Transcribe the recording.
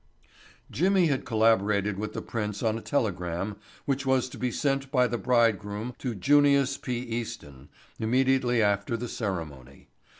Jimmy had collaborated with the prince on a telegram which was to be sent by the bridegroom to Junius P. Easton immediately after the ceremony.